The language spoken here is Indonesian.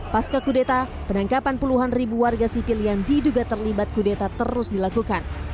pasca kudeta penangkapan puluhan ribu warga sipil yang diduga terlibat kudeta terus dilakukan